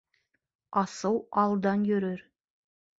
Асыу алдан йөрөр